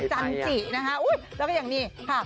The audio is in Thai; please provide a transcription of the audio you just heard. จันทรินะคะโอ๊ยแล้วอย่างนี้ค่ะ